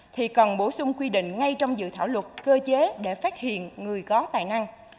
thì cần bổ sung quy định ngay trong dự thảo luật cơ chế để phát hiện người có tài năng